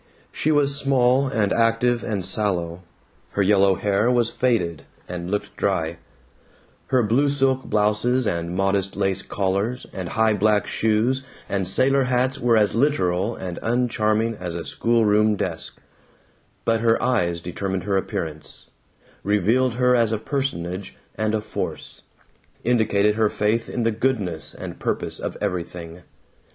She was small and active and sallow; her yellow hair was faded, and looked dry; her blue silk blouses and modest lace collars and high black shoes and sailor hats were as literal and uncharming as a schoolroom desk; but her eyes determined her appearance, revealed her as a personage and a force, indicated her faith in the goodness and purpose of everything.